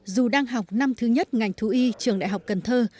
dù đang học năm thứ nhất ngành thú y trường đại học cần thơ